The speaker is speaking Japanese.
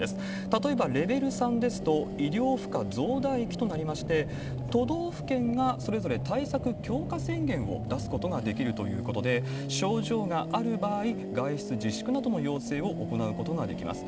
例えばレベル３ですと、医療負荷増大期となりまして、都道府県がそれぞれ対策強化宣言を出すことができるということで、症状がある場合、外出自粛などの要請を行うことができます。